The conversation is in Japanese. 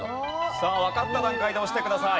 さあわかった段階で押してください。